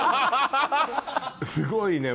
すごいね。